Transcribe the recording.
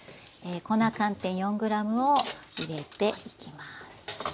粉寒天４ｇを入れていきます。